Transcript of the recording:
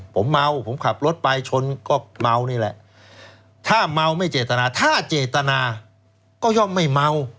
ผมเมาผมขับรถไปชนก็เมานี่แหละถ้าเมาไม่เจตนาถ้าเจตนาก็ย่อมไม่เมา